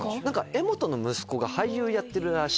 「柄本の息子が俳優やってるらしい。